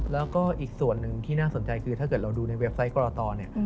แล้วก็อีกส่วนหนึ่งที่น่าสนใจคือถ้าเกิดเราดูในเว็บไซต์กรตเนี่ย